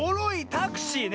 タクシーね！